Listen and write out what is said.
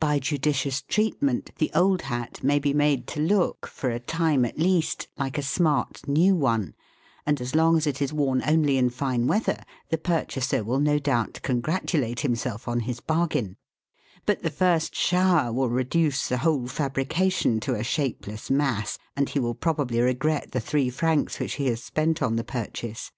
By judicious treatment, the old hat may be made to look, for a time at least, like a smart new one, and as long as it is worn only in fine weather, the purchaser will no doubt congratulate himself on his bargain ; but the first shower will reduce the whole fabrication to a shapeless mass, and he will probably regret the three francs which he has spent on the purchase.